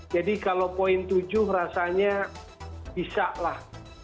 jadi kalau poin tujuh rasanya bisa lah